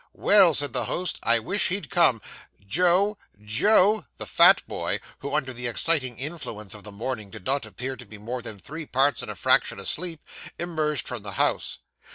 'Well,' said the host, 'I wish he'd come. Joe Joe!' The fat boy, who under the exciting influence of the morning did not appear to be more than three parts and a fraction asleep, emerged from the house.